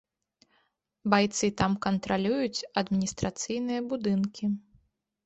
Байцы там кантралююць адміністрацыйныя будынкі.